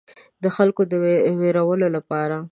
د خلکو د ویرولو لپاره.